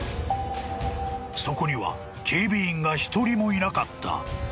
［そこには警備員が一人もいなかった］